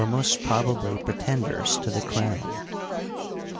most probably pretenders to the crown.